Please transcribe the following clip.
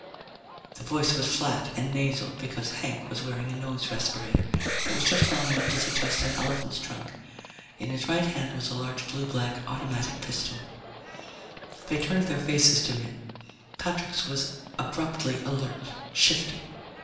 The voice was flat and nasal because Hank was wearing a nose respirator that was just long enough to suggest an elephant's trunk. In his right hand was a large blue black automatic pistol. They turned their faces to him. Patrick's was abruptly alert, shifty.